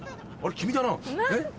君だなえ？